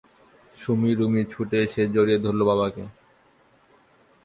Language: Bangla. সুমী রুমী ছুটে এসে জড়িয়ে ধরল বাবাকে!